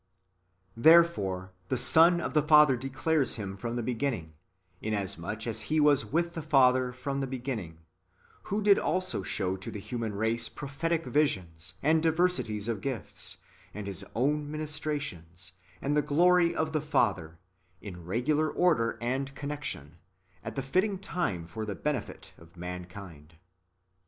Therefore the Son of the Father declares [Him] from the beginning, inasmuch as He was with the Father from the beginning, who did also show to the human race prophetic visions, and diversities of gifts, and His own ministrations, and the glory of the Father, in regular order and connection, at the fitting time for the benefit [of mankind].